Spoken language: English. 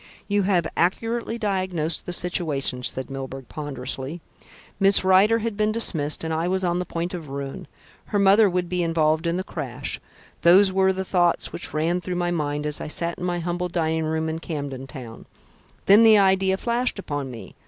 "You have accurately diagnosed the situation," said Milburgh ponderously. "Miss Rider had been dismissed, and I was on the point of ruin. Her mother would be involved in the crash those were the thoughts which ran through my mind as I sat in my humble dining room in Camden Town. Then the idea flashed upon me.